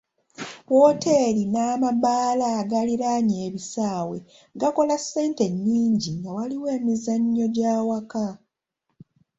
Wooteeri n'amabaala agaliraanye ebisaawe gakola ssente nnyingi nga waliwo emizannyo gy'awaka.